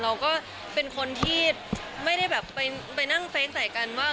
เราก็เป็นคนที่ไม่ได้แบบไปนั่งเฟ้งใส่กันว่า